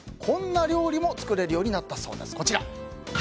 こんな料理も作れるようになったそうです。